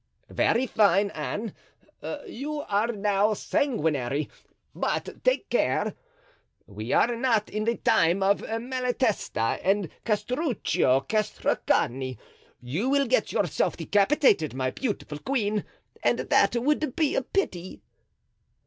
"Very fine, Anne. You are now sanguinary; but take care. We are not in the time of Malatesta and Castruccio Castracani. You will get yourself decapitated, my beautiful queen, and that would be a pity."